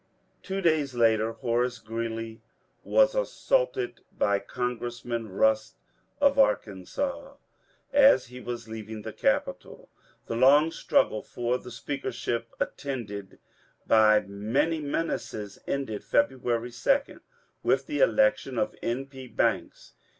Two days later Horace Ghreeley was assaulted by Con gressman Bust of Arkansas as he was leaving the Capitol. The long struggle for the speakership, attended by many menaces, ended on February 2, with the election of N. P. Banks.